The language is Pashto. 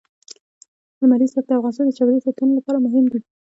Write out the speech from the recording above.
لمریز ځواک د افغانستان د چاپیریال ساتنې لپاره مهم دي.